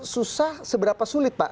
susah seberapa sulit pak